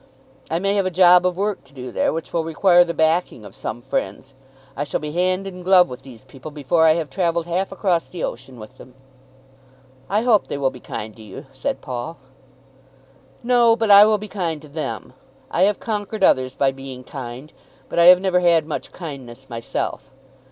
I may have a job of work to do there which will require the backing of some friends. I shall be hand and glove with these people before I have travelled half across the ocean with them." "I hope they will be kind to you," said Paul. "No; but I will be kind to them. I have conquered others by being kind, but I have never had much kindness myself.